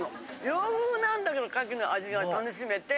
洋風なんだけど牡蠣の味が楽しめて。